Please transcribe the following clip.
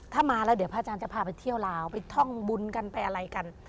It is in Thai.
ถ้ามาแล้วเดี๋ยวพระอาจารย์จะพาไปเที่ยวลาวไปท่องบุญกันไปอะไรกัน